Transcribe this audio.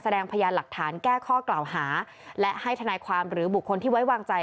แสดงพยานหลักฐานแก้ข้อกล่าวหาและให้ทนายความหรือบุคคลที่ไว้วางใจ